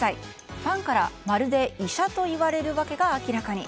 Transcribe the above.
ファンからまるで医者と言われるわけが明らかに。